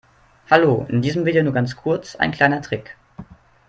Hallo, in diesem Video nur ganz kurz ein kleiner Trick.